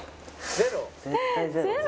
ゼロ？